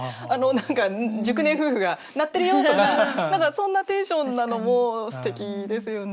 何か熟年夫婦が「鳴ってるよ」とか何かそんなテンションなのもすてきですよね。